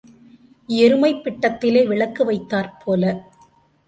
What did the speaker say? எருமைப் பிட்டத்திலே விளக்கு வைத்தாற் போல.